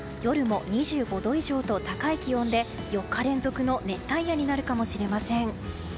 夜も２５度以上と高い気温で４日連続の熱帯夜になるかもしれません。